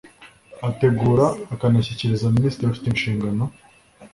ategura akanashyikiriza minisitiri ufite inshingano